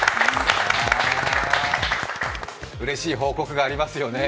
うれしい報告がありますよね。